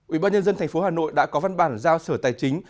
ubnd tp hà nội đã có văn bản giao sở tài chính